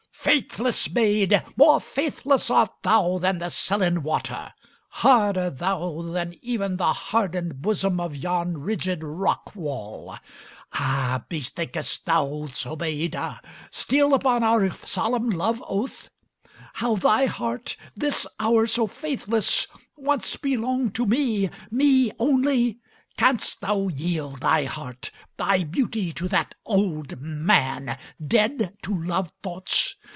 "Faithless maid, more faithless art thou than the sullen water! Harder thou than even the hardened bosom of yon rigid rockwall! Ah, bethinkest thou, Zobeïde, still upon our solemn love oath? How thy heart, this hour so faithless, once belonged to me, me only? Canst thou yield thy heart, thy beauty, to that old man, dead to love thoughts?